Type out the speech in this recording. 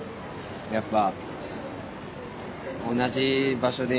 やっぱ。